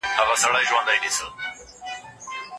په ځنګل کې د ډېرو مرغانو ځالې شته.